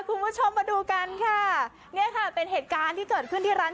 คุณผู้ชมมาดูกันค่ะเนี่ยค่ะเป็นเหตุการณ์ที่เกิดขึ้นที่ร้าน